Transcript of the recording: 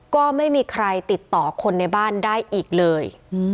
ก็ไม่มีใครติดต่อคนในบ้านได้อีกเลย